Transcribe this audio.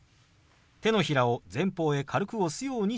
手のひらを前方へ軽く押すようにします。